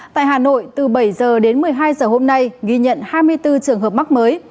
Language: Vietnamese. tại hà nội từ bảy h đến một mươi hai giờ hôm nay ghi nhận hai mươi bốn trường hợp mắc mới